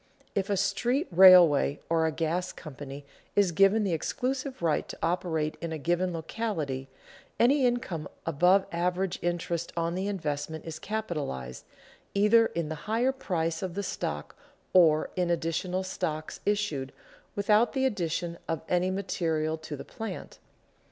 If a street railway or a gas company is given the exclusive right to operate in a given locality, any income above average interest on the investment is capitalized either in the higher price of the stock or in additional stock issued without the addition of any material to the plant.